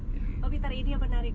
pak peter ini yang menarik